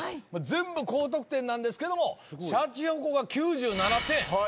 全部高得点なんですけどもシャチホコが９７点。